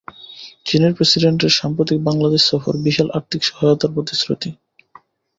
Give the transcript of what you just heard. চীনের প্রেসিডেন্টের সাম্প্রতিক বাংলাদেশ সফর, বিশাল আর্থিক সহায়তার প্রতিশ্রুতি?